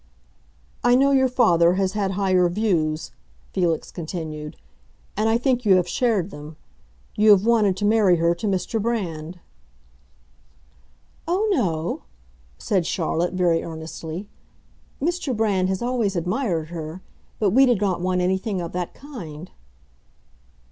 "I know your father has had higher views," Felix continued; "and I think you have shared them. You have wanted to marry her to Mr. Brand." "Oh, no," said Charlotte, very earnestly. "Mr. Brand has always admired her. But we did not want anything of that kind."